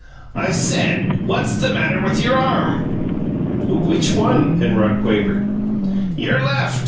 "I said, What's the matter with your arm?" "Which one?" Penrod quavered. "Your left.